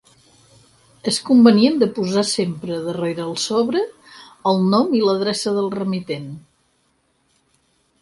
És convenient de posar sempre, darrere el sobre, el nom i l'adreça del remitent.